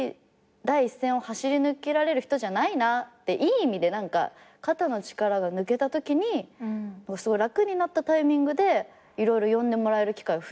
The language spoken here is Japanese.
第一線を走り抜けられる人じゃないなっていい意味で何か肩の力が抜けたときに楽になったタイミングで色々呼んでもらえる機会増えて。